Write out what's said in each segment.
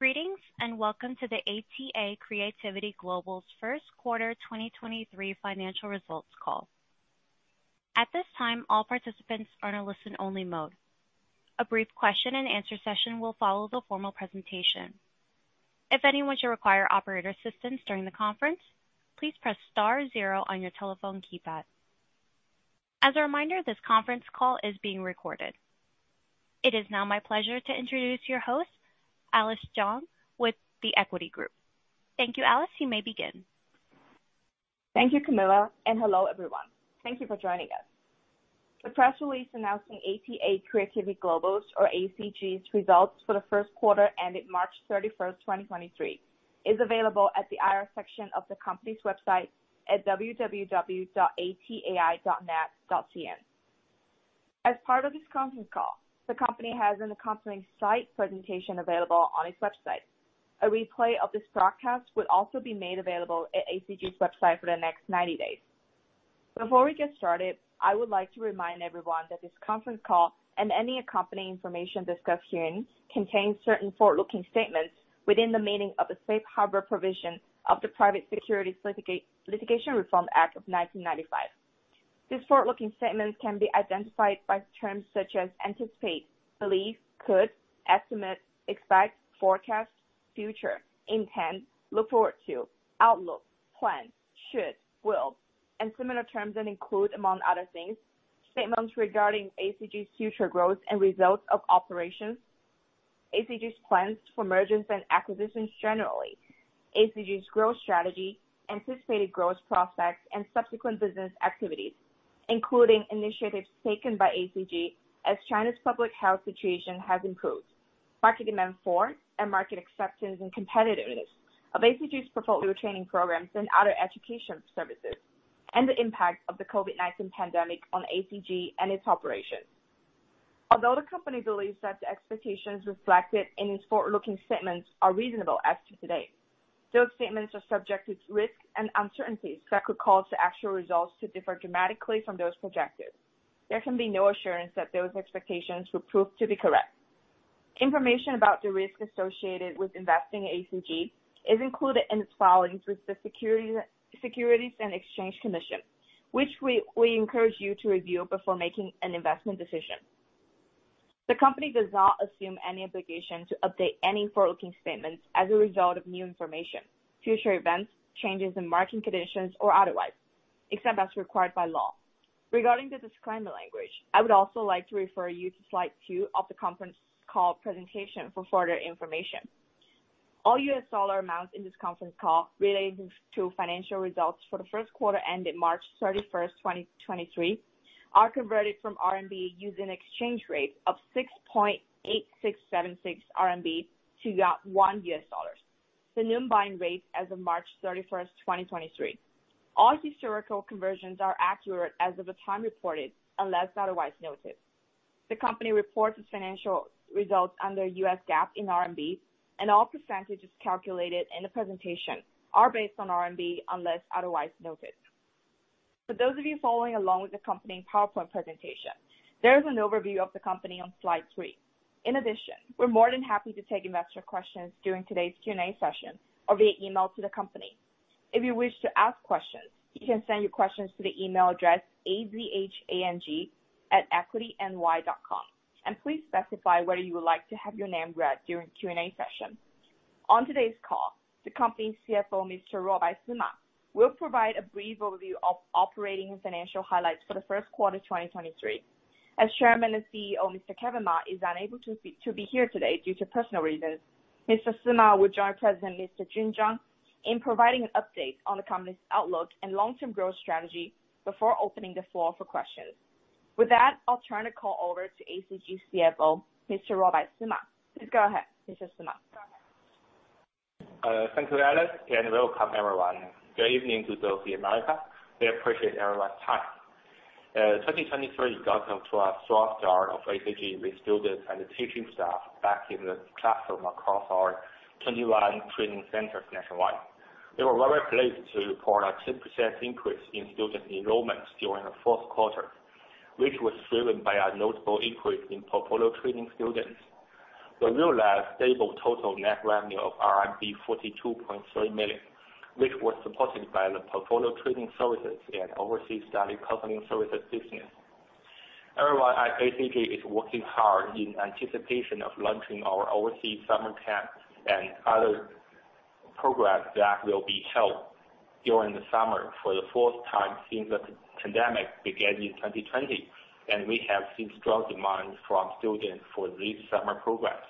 Greetings, welcome to the ATA Creativity Global's first quarter 2023 financial results call. At this time, all participants are in a listen-only mode. A brief question and answer session will follow the formal presentation. If anyone should require operator assistance during the conference, please press star 0 on your telephone keypad. As a reminder, this conference call is being recorded. It is now my pleasure to introduce your host, Alice Zhang with The Equity Group. Thank you, Alice. You may begin. Thank you, Camilla. Hello, everyone. Thank you for joining us. The press release announcing ATA Creativity Global's, or ACG's, results for the first quarter ending March 31, 2023, is available at the IR section of the company's website at www.atai.net.cn. As part of this conference call, the company has an accompanying site presentation available on its website. A replay of this broadcast will also be made available at ACG's website for the next 90 days. Before we get started, I would like to remind everyone that this conference call and any accompanying information discussed herein contains certain forward-looking statements within the meaning of the Safe Harbor provision of the Private Securities Litigation Reform Act of 1995. These forward-looking statements can be identified by terms such as anticipate, believe, could, estimate, expect, forecast, future, intent, look forward to, outlook, plan, should, will, and similar terms, and include, among other things, statements regarding ACG's future growth and results of operations, ACG's plans for mergers and acquisitions generally, ACG's growth strategy, anticipated growth prospects and subsequent business activities, including initiatives taken by ACG as China's public health situation has improved, market demand for and market acceptance and competitiveness of ACG's portfolio training programs and other education services, and the impact of the COVID-19 pandemic on ACG and its operations. Although the company believes that the expectations reflected in its forward-looking statements are reasonable as to date, those statements are subject to risks and uncertainties that could cause the actual results to differ dramatically from those projected. There can be no assurance that those expectations will prove to be correct. Information about the risks associated with investing in ACG is included in its filings with the Securities and Exchange Commission, which we encourage you to review before making an investment decision. The company does not assume any obligation to update any forward-looking statements as a result of new information, future events, changes in marketing conditions or otherwise, except as required by law. Regarding the disclaimer language, I would also like to refer you to slide two of the conference call presentation for further information. All US dollar amounts in this conference call relating to financial results for the first quarter ending March 31, 2023, are converted from RMB using an exchange rate of 6.8676 RMB to $1, the noon buying rate as of March 31, 2023. All historical conversions are accurate as of the time reported, unless otherwise noted. The company reports its financial results under US GAAP in RMB. All % calculated in the presentation are based on RMB, unless otherwise noted. For those of you following along with the accompanying PowerPoint presentation, there is an overview of the company on slide 3. In addition, we're more than happy to take investor questions during today's Q&A session or via email to the company. If you wish to ask questions, you can send your questions to the email address, azhang@equityny.com. Please specify whether you would like to have your name read during the Q&A session. On today's call, the company's CFO, Mr. Ruobai Sima, will provide a brief overview of operating and financial highlights for the first quarter 2023. As Chairman and CEO, Mr. Kevin Ma is unable to be here today due to personal reasons. Mr. Sima will join President Mr. Jun Zhang in providing an update on the company's outlook and long-term growth strategy before opening the floor for questions. With that, I'll turn the call over to ACG's CFO, Mr. Ruobai Sima. Please go ahead, Mr. Sima. Thank you, Alice, and welcome everyone. Good evening to those in America. We appreciate everyone's time. 2023 got off to a strong start of ACG with students and teaching staff back in the classroom across our 21 training centers nationwide. We were very pleased to report a 6% increase in student enrollments during the fourth quarter, which was driven by a notable increase in portfolio training students. We realized stable total net revenue of 42.3 million, which was supported by the portfolio training services and overseas study counseling services business. Everyone at ACG is working hard in anticipation of launching our overseas summer camp and other programs that will be held during the summer for the fourth time since the pandemic began in 2020, and we have seen strong demand from students for these summer programs.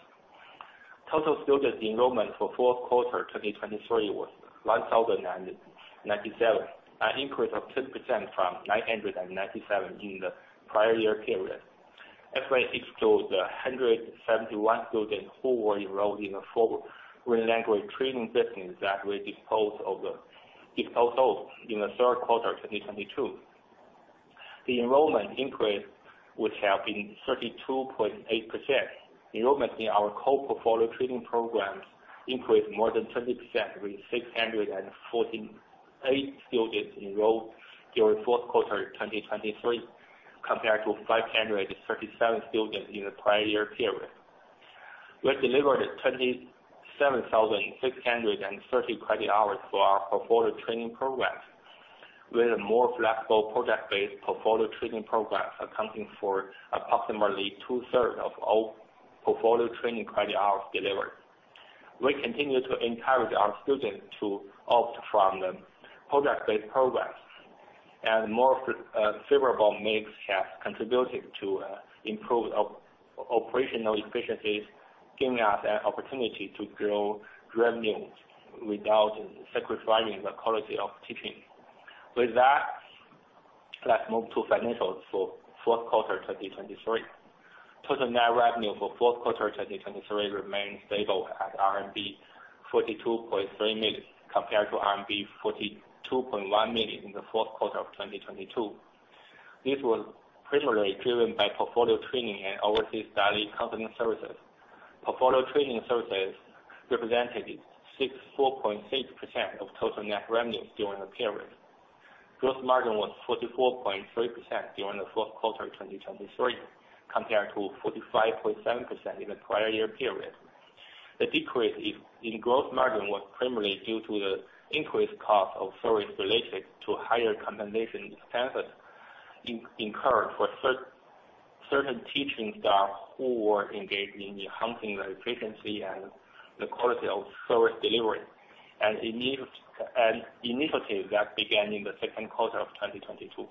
Total student enrollment for fourth quarter 2023 was 1,097, an increase of 6% from 997 in the prior year period. FY6 showed 171 students who were enrolled in the foreign language training business that we disposed of in the third quarter 2022. The enrollment increase, which have been 32.8%. Enrollment in our core portfolio training programs increased more than 20% with 648 students enrolled during fourth quarter 2023. Compared to 537 students in the prior year period. We have delivered 27,630 credit hours for our portfolio training programs, with a more flexible project-based portfolio training programs accounting for approximately two-thirds of all portfolio training credit hours delivered. We continue to encourage our students to opt from the project-based programs, and more favorable mix has contributed to improved operational efficiencies, giving us an opportunity to grow revenues without sacrificing the quality of teaching. With that, let's move to financials for fourth quarter 2023. Total net revenue for fourth quarter 2023 remained stable at RMB 42.3 million, compared to RMB 42.1 million in the fourth quarter of 2022. This was primarily driven by portfolio training and overseas study counseling services. Portfolio training services represented 4.6% of total net revenues during the period. Gross margin was 44.3% during the fourth quarter of 2023, compared to 45.7% in the prior year period. The decrease in gross margin was primarily due to the increased cost of service related to higher compensation expenses incurred for certain teaching staff who were engaged in enhancing the efficiency and the quality of service delivery. An initiative that began in the second quarter of 2022.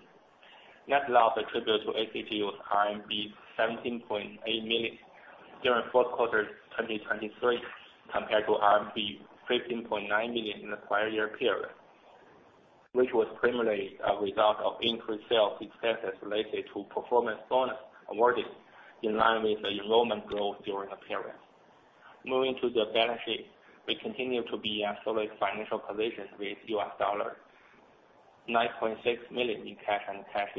Net loss attributed to ACG was RMB 17.8 million during fourth quarter 2023, compared to RMB 15.9 million in the prior year period, which was primarily a result of increased sales expenses related to performance bonus awarded in line with the enrollment growth during the period. Moving to the balance sheet. We continue to be in solid financial position with $9.6 million in cash and cash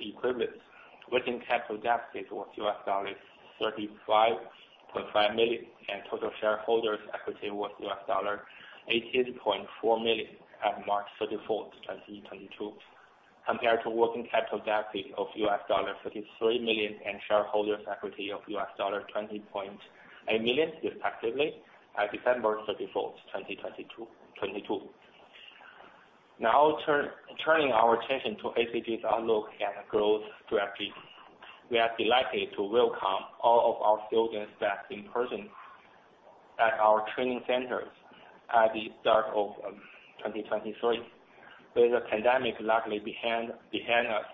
equivalents. Working capital deficit was $35.5 million, total shareholders equity was $18.4 million at March 31, 2022, compared to working capital deficit of $33 million and shareholders equity of $20.8 million respectively, at December 31st, 2022. Turning our attention to ACG's outlook and growth strategy. We are delighted to welcome all of our students back in person at our training centers at the start of 2023. With the pandemic luckily behind us,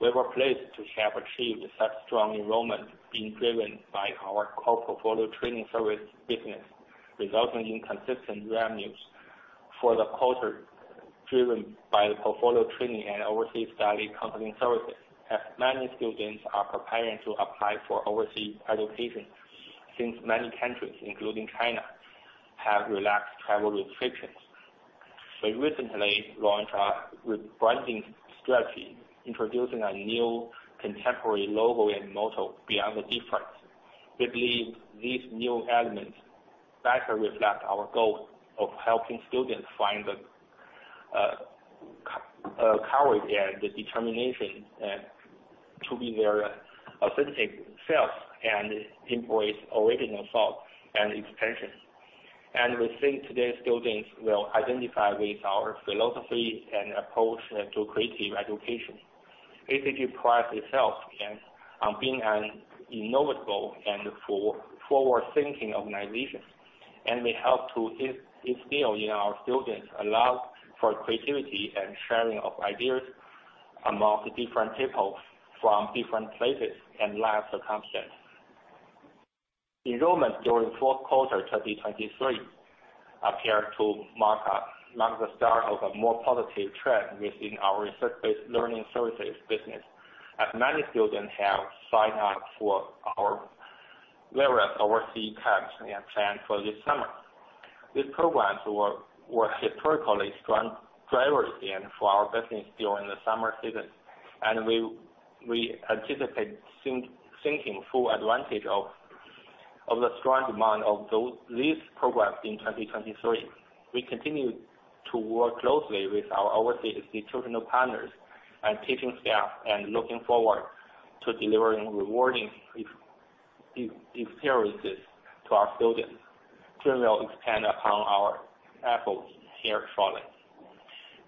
we were pleased to have achieved such strong enrollment being driven by our core portfolio training service business, resulting in consistent revenues for the quarter driven by the portfolio training and overseas study counseling services. Many students are preparing to apply for overseas education since many countries, including China, have relaxed travel restrictions. We recently launched a rebranding strategy introducing a new contemporary logo and motto, Beyond the Difference. We believe these new elements better reflect our goal of helping students find the courage and the determination to be their authentic selves and embrace original thought and expression. We think today's students will identify with our philosophy and approach to creative education. ACG prides itself in being an innovative and forward-thinking organization, and we hope to instill in our students a love for creativity and sharing of ideas among different people from different places and life circumstances. Enrollment during fourth quarter 2023 appeared to mark the start of a more positive trend within our research-based learning services business, as many students have signed up for our various overseas camps we have planned for this summer. These programs were historically strong drivers then for our business during the summer season. We anticipate seeing full advantage of the strong demand of those, these programs in 2023. We continue to work closely with our overseas institutional partners and teaching staff and looking forward to delivering rewarding experiences to our students who will expand upon our efforts here shortly.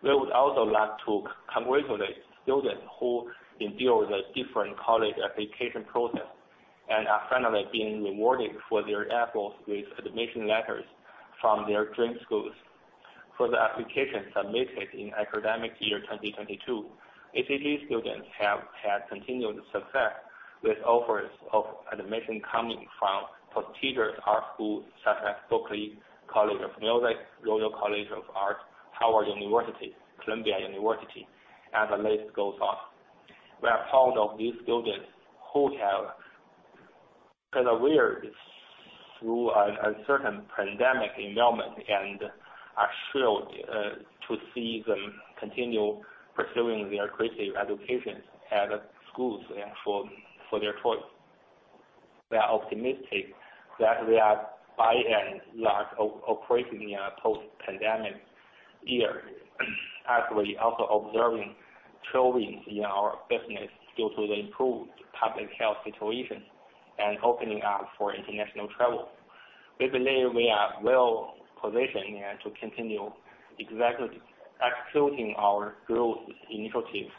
We would also like to congratulate students who endured a different college application process and are finally being rewarded for their efforts with admission letters from their dream schools. For the applications submitted in academic year 2022, ACG students have had continued success with offers of admission coming from prestigious art schools such as Berklee College of Music, Royal College of Art, Howard University, Columbia University, and the list goes on. We are proud of these students who have persevered through an uncertain pandemic enrollment and are thrilled to see them continue pursuing their creative educations at schools of their choice. We are optimistic that we are by and large operating in a post-pandemic year. As we're also observing trends in our business due to the improved public health situation and opening up for international travel. We believe we are well-positioned to continue executing our growth initiatives,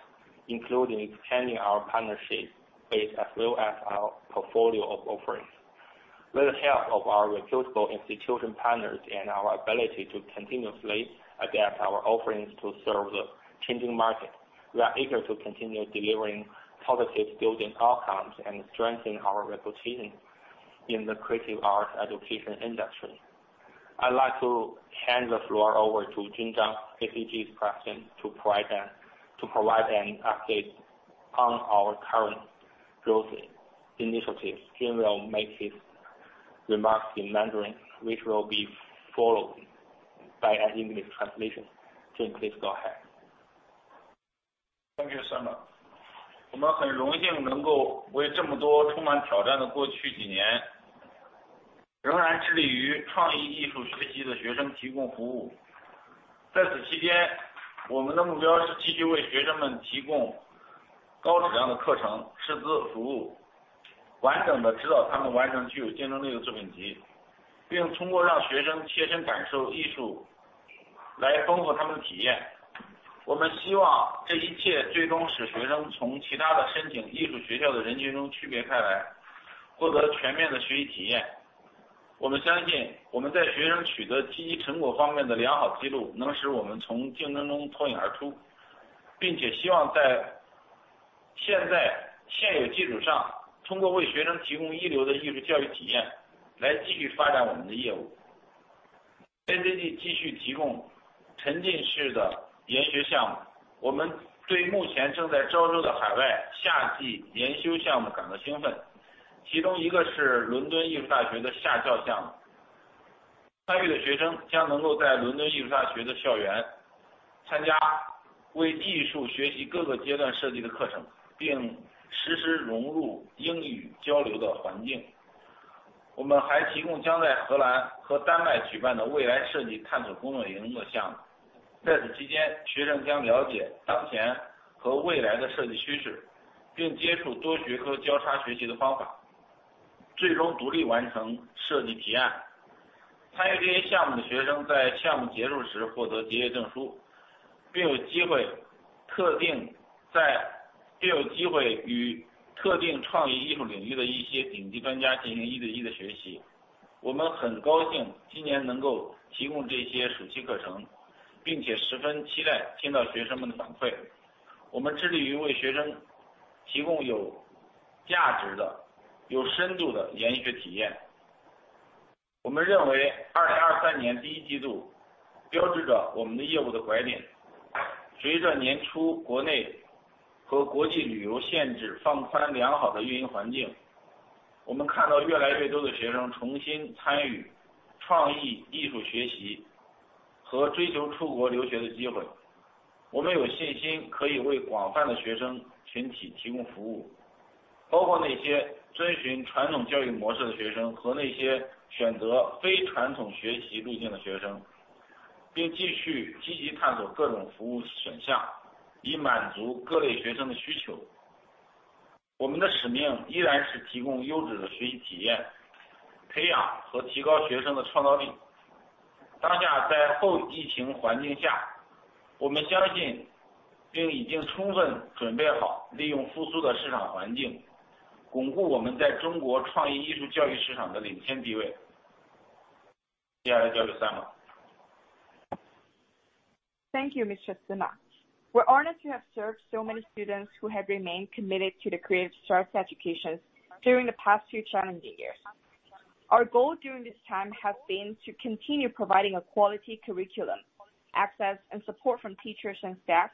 including expanding our partnership base as well as our portfolio of offerings. With the help of our reputable institution partners and our ability to continuously adapt our offerings to serve the changing market, we are eager to continue delivering positive student outcomes and strengthen our reputation in the creative arts education industry. I'd like to hand the floor over to Jun Zhang, ACG's President, to provide an update on our current growth initiatives. He will make his remarks in Mandarin, which will be followed by an English translation. Jun, please go ahead. Thank you, Mr. Sima Thank you, Mr. Sima. We're honored to have served so many students who have remained committed to the creative arts education during the past few challenging years. Our goal during this time has been to continue providing a quality curriculum, access and support from teachers and staff,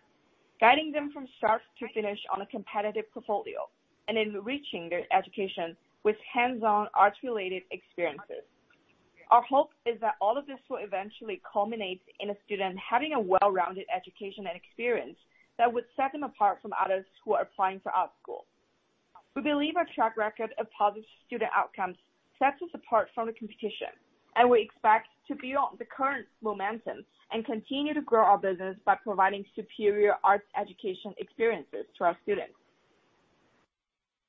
guiding them from start to finish on a competitive portfolio, and enriching their education with hands-on art related experiences. Our hope is that all of this will eventually culminate in a student having a well-rounded education and experience that would set them apart from others who are applying to art school. We believe our track record of positive student outcomes sets us apart from the competition, and we expect to build on the current momentum and continue to grow our business by providing superior arts education experiences to our students.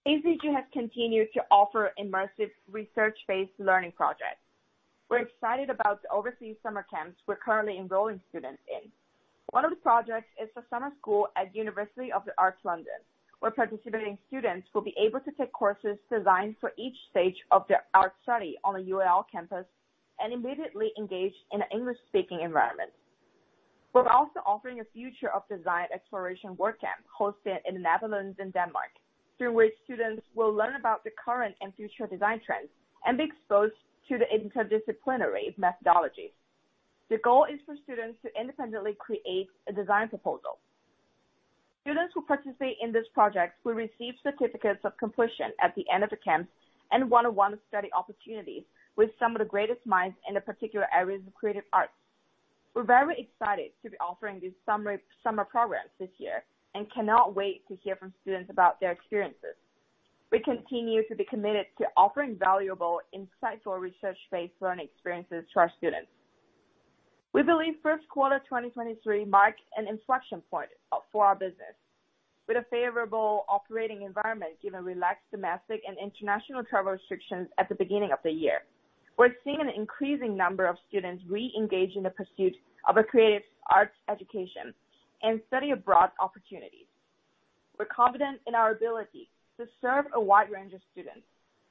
ACG has continued to offer immersive research-based learning projects. We're excited about the overseas summer camps we're currently enrolling students in. One of the projects is the summer school at University of the Arts London, where participating students will be able to take courses designed for each stage of their art study on the UAL campus and immediately engage in an English-speaking environment. We're also offering a Future of Design Exploration Work camp hosted in the Netherlands and Denmark, through which students will learn about the current and future design trends and be exposed to the interdisciplinary methodologies. The goal is for students to independently create a design proposal. Students who participate in this project will receive certificates of completion at the end of the camp, and one-on-one study opportunities with some of the greatest minds in the particular areas of creative arts. We're very excited to be offering these summer programs this year and cannot wait to hear from students about their experiences. We continue to be committed to offering valuable, insightful, research-based learning experiences to our students. We believe first quarter 2023 marks an inflection point for our business with a favorable operating environment, given relaxed domestic and international travel restrictions at the beginning of the year. We're seeing an increasing number of students re-engage in the pursuit of a creative arts education and study abroad opportunities. We're confident in our ability to serve a wide range of students,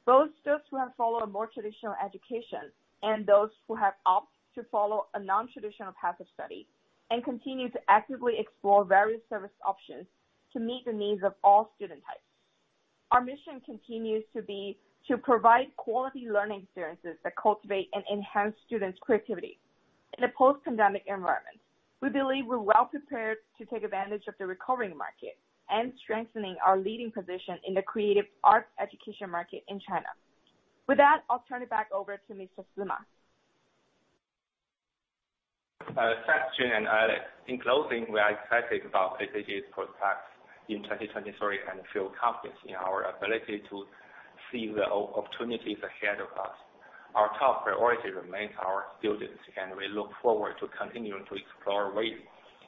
both those who have followed a more traditional education and those who have opt to follow a non-traditional path of study and continue to actively explore various service options to meet the needs of all student types. Our mission continues to be to provide quality learning experiences that cultivate and enhance students creativity in a post-pandemic environment. We believe we're well-prepared to take advantage of the recovering market and strengthening our leading position in the creative arts education market in China. With that, I'll turn it back over to Mr. Sima. Thanks, Jun and Alice. In closing, we are excited about ACG's prospects in 2023 and feel confident in our ability to see the opportunities ahead of us. Our top priority remains our students. We look forward to continuing to explore ways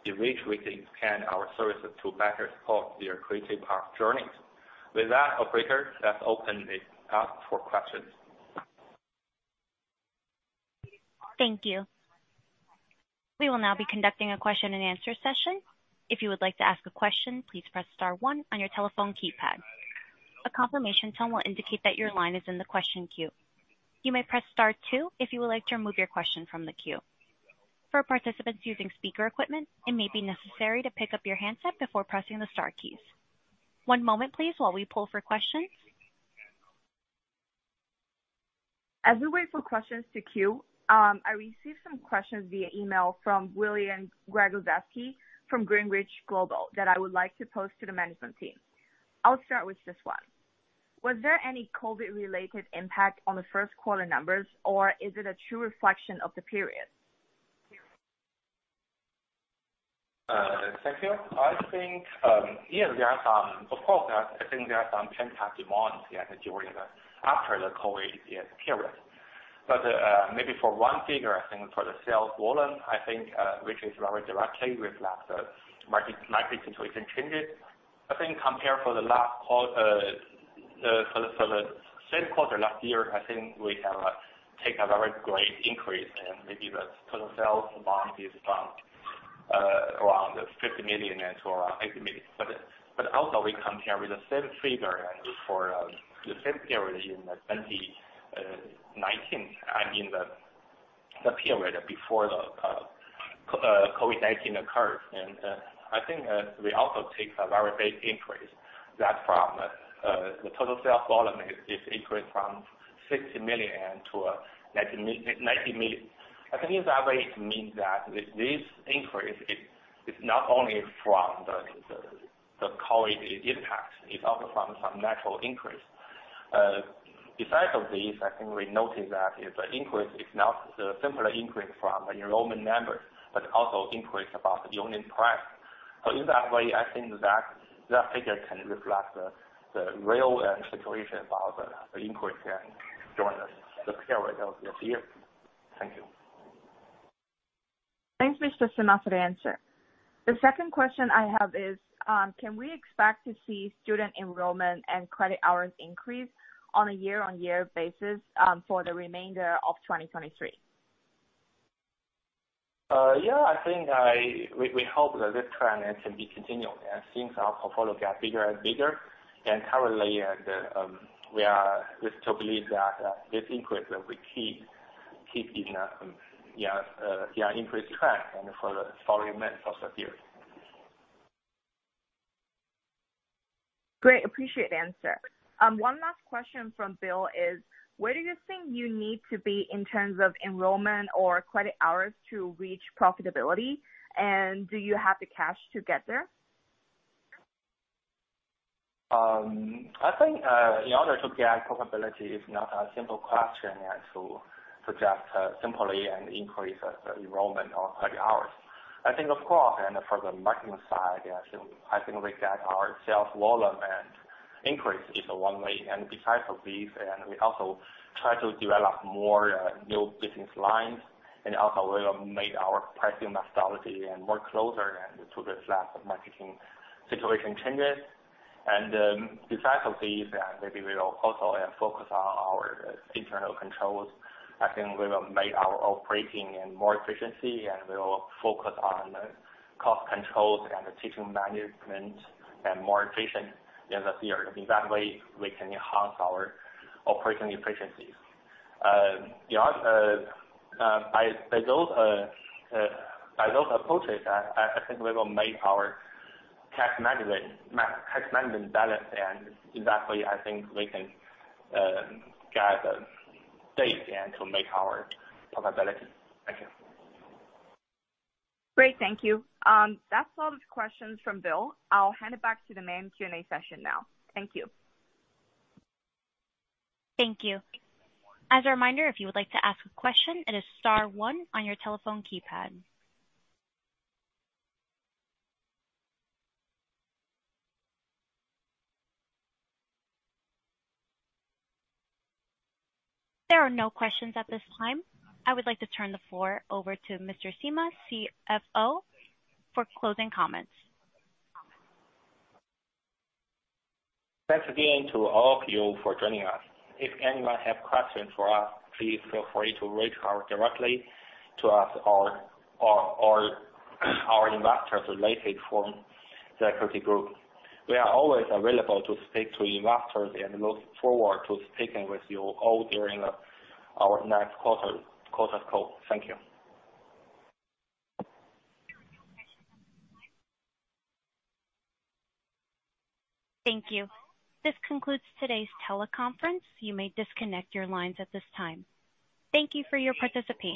in which we can expand our services to better support their creative path journeys. With that, Operator, let's open it up for questions. Thank you. We will now be conducting a question-and-answer session. If you would like to ask a question, please press star one on your telephone keypad. A confirmation tone will indicate that your line is in the question queue. You may press star two if you would like to remove your question from the queue. For participants using speaker equipment, it may be necessary to pick up your handset before pressing the star keys. One moment please while we pull for questions. As we wait for questions to queue, I received some questions via email from William Gregozeski from Greenwich Global that I would like to pose to the management team. I'll start with this one. Was there any COVID-related impact on the first quarter numbers, or is it a true reflection of the period? Thank you. I think, there are some. Of course, there are. I think there are some pent-up demands, during the after the COVID period. But maybe for one figure, I think for the sales volume, I think, which is very directly reflect the market situation changes. I think compared for the last quarter, for the same quarter last year, I think we have a very great increase in maybe the total sales volume is around 50 million to 80 million. But also we compare with the same figure for the same period in 2019. I mean, the period before the COVID-19 occurred. I think we also take a very big increase that from the total sales volume is increased from $60 million to $90 million. I think in that way it means that this increase is not only from the COVID impact, it's also from some natural increase. Besides of this, I think we noted that it's an increase is not the similar increase from enrollment numbers, but also increase about the union price. In that way, I think that the figure can reflect the real situation about the increase and during the period of this year. Thank you. Thanks, Mr. Sima, for the answer. The second question I have is, can we expect to see student enrollment and credit hours increase on a year-on-year basis for the remainder of 2023? Yeah, I think we hope that this trend can be continued as since our portfolio got bigger and bigger. Currently, we still believe that this increase will be keep, you know, yeah, increase track and for the following months of the year. Great. Appreciate the answer. One last question from Bill is: Where do you think you need to be in terms of enrollment or credit hours to reach profitability? Do you have the cash to get there? I think, in order to get profitability is not a simple question as to just simply and increase enrollment or credit hours. I think of course, and from the marketing side, yeah, so I think we get our sales volume and increase is one way. Besides of this, we also try to develop more new business lines and also will make our pricing methodology and more closer to the class of marketing situation changes. Besides of this, maybe we will also focus on our internal controls. I think we will make our operating and more efficiency, and we will focus on cost controls and the teaching management and more efficient in the year. In that way, we can enhance our operating efficiencies. The other, by those, by those approaches, I think we will make our cash management balance, and in that way I think we can get the stage and to make our profitability. Thank you. Great. Thank you. That's all the questions from Bill. I'll hand it back to the main Q&A session now. Thank you. Thank you. As a reminder, if you would like to ask a question, it is star one on your telephone keypad. There are no questions at this time. I would like to turn the floor over to Mr. Sima, CFO, for closing comments. Thanks again to all of you for joining us. If anyone have questions for us, please feel free to reach out directly to us or our investor relations from The Equity Group. We are always available to speak to investors and look forward to speaking with you all during our next quarter's call. Thank you. Thank you. This concludes today's teleconference. You may disconnect your lines at this time. Thank you for your participation.